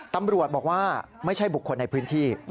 ตำรวจบอกว่าไม่ใช่บุคคลในพื้นที่